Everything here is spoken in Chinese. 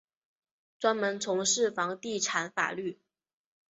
专门从事房地产法律。